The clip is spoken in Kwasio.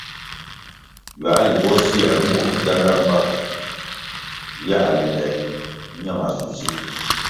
Ywãh limbo sier mur gianda mbpa yãh le ñe maschusi.